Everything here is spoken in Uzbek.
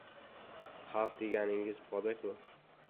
Xalq deganingiz poda-ku!